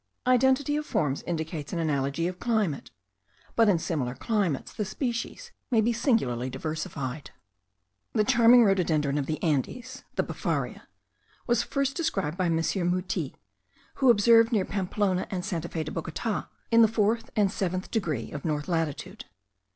Identity of forms indicates an analogy of climate; but in similar climates the species may be singularly diversified. The charming rhododendron of the Andes (the befaria) was first described by M. Mutis, who observed it near Pamplona and Santa Fe de Bogota, in the fourth and seventh degree of north latitude.